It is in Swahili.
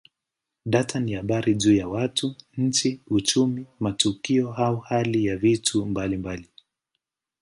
Data ni habari juu ya watu, nchi, uchumi, matukio au hali ya vitu mbalimbali.